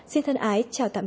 xin thân ái chào tạm biệt